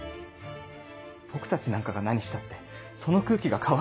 僕たちなんかが何したってその空気が変わるわけ。